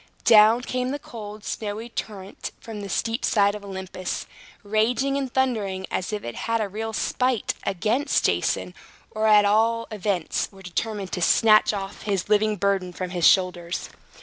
Down came the cold, snowy torrent from the steep side of Olympus, raging and thundering as if it had a real spite against Jason, or, at all events, were determined to snatch off his living burden from his shoulders.